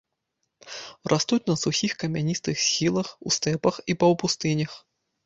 Растуць на сухіх камяністых схілах, у стэпах і паўпустынях.